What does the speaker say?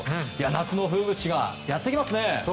夏の風物詩がやってきますね。